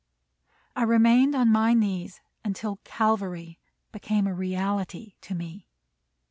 I remained on my knees until Calvary became a reality to me.